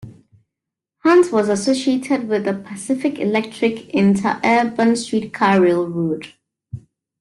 Hunt was associated with the Pacific Electric interurban streetcar railroad.